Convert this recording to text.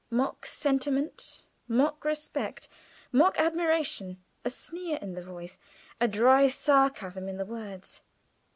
Mock sentiment, mock respect, mock admiration; a sneer in the voice, a dry sarcasm in the words.